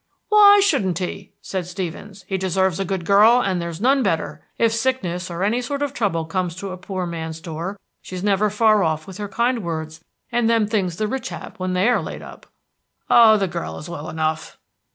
"Why shouldn't he?" asked Stevens. "He deserves a good girl, and there's none better. If sickness or any sort of trouble comes to a poor man's door, she's never far off with her kind words and them things the rich have when they are laid up." "Oh, the girl is well enough."